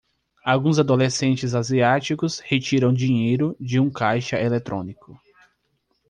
Alguns adolescentes asiáticos retiram dinheiro de um caixa eletrônico.